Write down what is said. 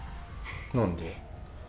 何で？